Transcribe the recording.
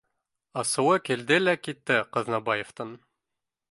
Асыуы килде лә китте Ҡаҙнабаевтың: